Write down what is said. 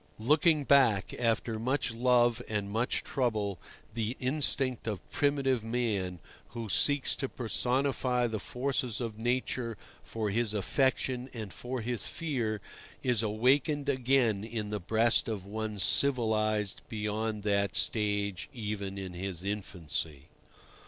Looking back after much love and much trouble, the instinct of primitive man, who seeks to personify the forces of Nature for his affection and for his fear, is awakened again in the breast of one civilized beyond that stage even in his infancy.